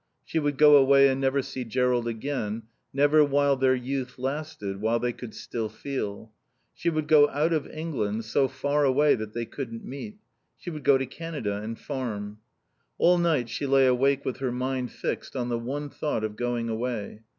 She would go away and never see Jerrold again, never while their youth lasted, while they could still feel. She would go out of England, so far away that they couldn't meet. She would go to Canada and farm. All night she lay awake with her mind fixed on the one thought of going away.